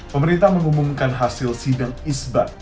pemerintah mengumumkan hasil sidang isbat